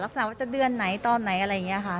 ฝากว่าจะเดือนไหนตอนไหนอะไรอย่างนี้ค่ะ